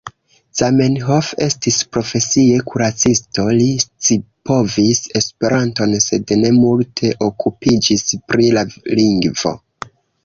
Zamenhof estis profesie kuracisto, li scipovis Esperanton sed ne multe okupiĝis pri la lingvo.